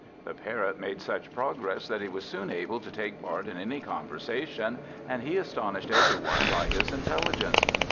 The Parrot made such progress that he was soon able to take part in any conversation, and he astonished every one by his intelligence.